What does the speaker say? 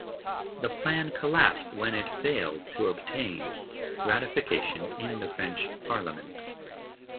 The plan collapsed when it failed to obtain ratification in the French Parliament.